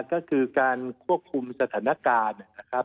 ก็คือการควบคุมสถานการณ์นะครับ